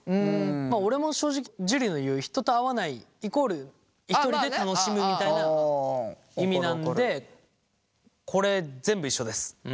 まあ俺も正直樹の言う人と会わないイコールひとりで楽しむみたいな意味なのでこれ全部一緒です。